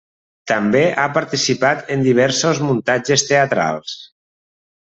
També ha participat en diversos muntatges teatrals.